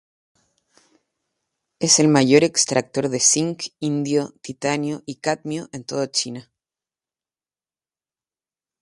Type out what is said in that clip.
Es la mayor extractora de zinc, indio, titanio y cadmio de toda China.